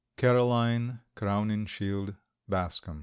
Caroline Crowninshield Bascom.